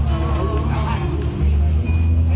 ขอบคุณยายก่อน